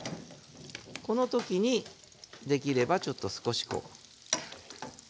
この時にできればちょっと少しこう。